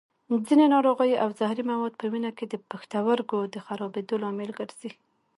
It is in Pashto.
ځینې ناروغۍ او زهري مواد په وینه کې د پښتورګو د خرابېدو لامل ګرځي.